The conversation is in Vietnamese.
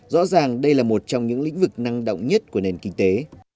rõ ràng đây là một trong những lĩnh vực năng động nhất của nền kinh tế